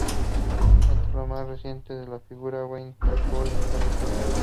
Entre los más recientes figuran "Winnie the Pooh" y "Harry Potter".